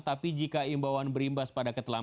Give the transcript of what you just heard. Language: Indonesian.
tapi jika imbawan mendikbud ini tidak akan berhasil